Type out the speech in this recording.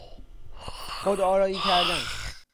خود آرایی کردن